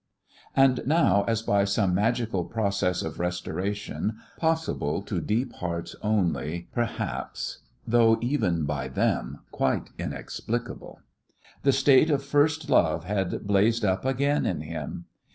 And now, as by some magical process of restoration possible to deep hearts only, perhaps, though even by them quite inexplicable the state of first love had blazed up again in him.